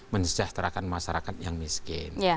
mesejahterakan masyarakat yang miskin